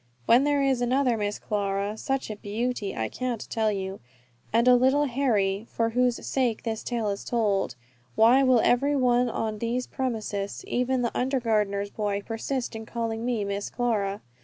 When there is another Miss Clara such a beauty! I can't tell you and a little Harry, for whose sake this tale is told why will every one on these premises, even the under gardener's boy, persist in calling me "Miss Clara?"